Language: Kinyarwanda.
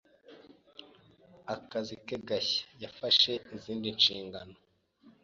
Akazi ke gashya, yafashe izindi nshingano.